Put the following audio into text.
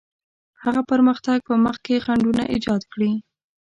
هغه پرمختګ په مخ کې خنډونه ایجاد کړي.